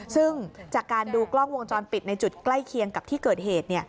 ซึ่งจากการดูกล้องวงจรปิดในจุดใกล้เคียงกับที่เกิดเหตุ